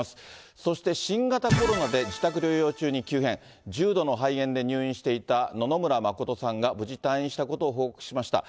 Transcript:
そして新型コロナで自宅療養中に急変、重度の肺炎で入院していた野々村真さんが無事、退院したことを報告しました。